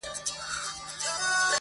• څښل مو تويول مو شرابونه د جلال.